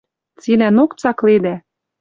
Цилӓнок цакледӓ.